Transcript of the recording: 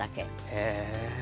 へえ。